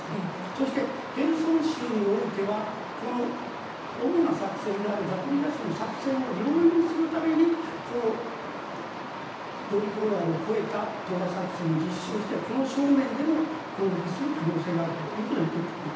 そして、ヘルソン州においては主な作戦であるザポリージャ州の作戦を容易にするためにドニプロ川を越えた渡河作戦の実施をしてこの正面でも攻撃をする可能性があるということを言ってきた。